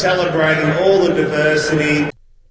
dengan menghargai kebanyakan kebanyakan